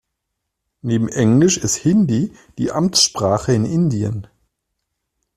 Neben Englisch ist Hindi die Amtssprache in Indien.